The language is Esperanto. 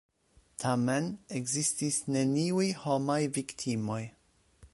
Tamen, ekzistis neniuj homaj viktimoj.